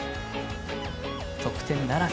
得点ならず。